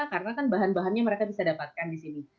karena kan bahan bahannya mereka bisa dapatkan di sini